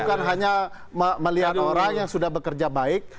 bukan hanya melihat orang yang sudah bekerja baik